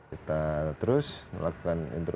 kita terus melakukan interaksi